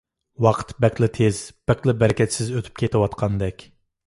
ۋاقىت بەكلا تېز، بەكلا بەرىكەتسىز ئۆتۈپ كېتىۋاتقاندەك.